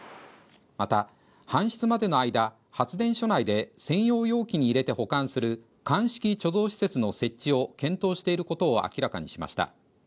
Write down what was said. また、搬出までの間、発電所内で専用容器に入れて保管する乾式貯蔵施設の設置を検討していることを明らかにしました。